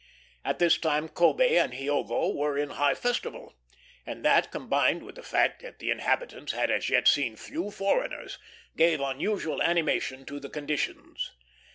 At this time Kobé and Hiogo were in high festival; and that, combined with the fact that the inhabitants had as yet seen few foreigners, gave unusual animation to the conditions.